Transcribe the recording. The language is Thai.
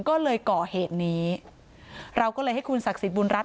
ก็เลยก่อเหตุนี้เราก็เลยให้คุณศักดิ์สิทธิบุญรัฐ